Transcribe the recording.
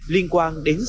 liên quan đến xe